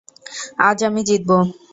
আজ আমি জিতবো।